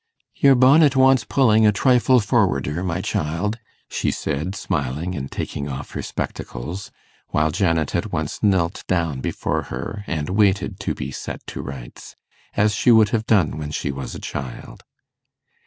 'Your bonnet wants pulling a trifle forwarder, my child,' she said, smiling, and taking off her spectacles, while Janet at once knelt down before her, and waited to be 'set to rights', as she would have done when she was a child.